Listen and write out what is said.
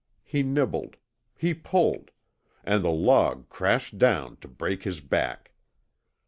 He nibbled. He pulled and the log crashed down to break his back.